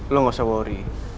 lo gak usah worry